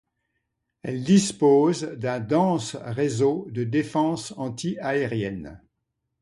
Elle dispose d'un dense réseau de défense antiaérienne.